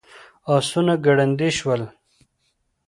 آسونه ګړندي شول.